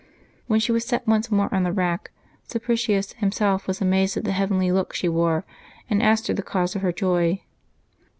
When she was set once more on the rack, Sapricius himself was amazed at the heavenly look she wore, and asked her the cause of her joy.